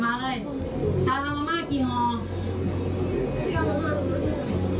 แม็กซ์สีขาวสูตรใหม่เอามาเลยตำแม่งมากกี่หอ